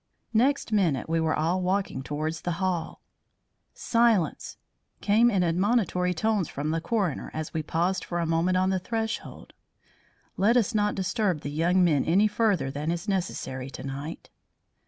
Next minute we were all walking towards the hall. "Silence!" came in admonitory tones from the coroner as we paused for a moment on the threshold. "Let us not disturb the young men any further than is necessary to night."